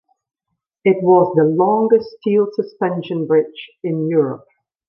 It was the longest steel suspension bridge in Europe.